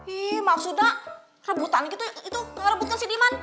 ih maksudnya rebutan gitu itu ngerebutkan si diman